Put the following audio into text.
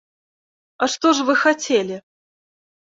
А што ж вы хацелі?